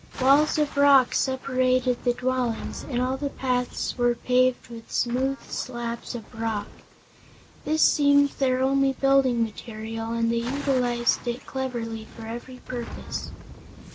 Walls of rock separated the dwellings, and all the paths were paved with smooth slabs of rock. This seemed their only building material and they utilized it cleverly for every purpose.